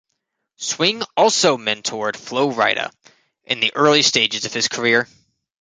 Swing also mentored Flo Rida in the early stages of his career.